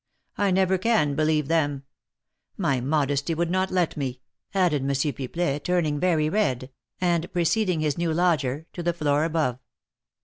I never can believe them; my modesty would not let me," added M. Pipelet, turning very red, and preceding his new lodger to the floor above.